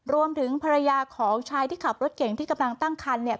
รวมถึงภรรยาของชายที่ขับรถเก่งที่กำลังตั้งคันเนี่ย